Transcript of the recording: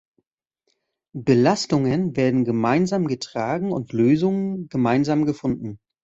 Belastungen werden gemeinsam getragen und Lösungen gemeinsam gefunden.